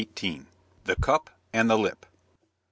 THE CUP AND THE LIP.